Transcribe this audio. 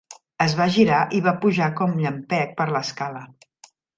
Es va girar i va pujar com llampec per l'escala.